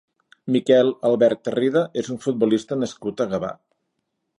Miquel Albert Tarrida és un futbolista nascut a Gavà.